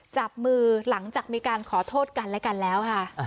จับมือหลังจากมีการขอโทษกันและกันแล้วค่ะ